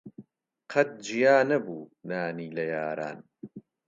قەت جیا نەبوو نانی لە یاران